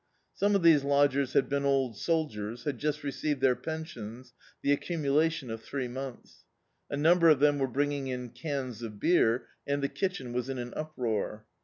Some of these lodgers had been old soldiers, had just received their pen sions — the accumulation of three months. A num ber of them were bringing in cans of beer, and the kitchen was in an uproar.